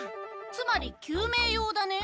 つまり救命用だね？